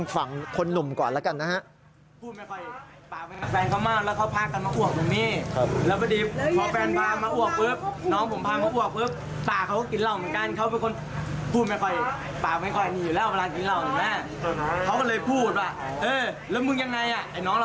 ฝั่งคนหนุ่มก่อนแล้วกันนะฮะ